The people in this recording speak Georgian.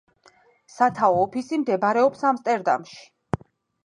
სათაო ოფისი მდებარეობს ამსტერდამში.